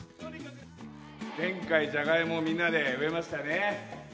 前回、ジャガイモ、みんなで植えましたね。